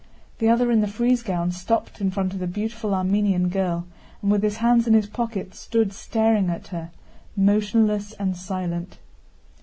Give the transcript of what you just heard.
The other in the frieze gown stopped in front of the beautiful Armenian girl and with his hands in his pockets stood staring at her, motionless and silent.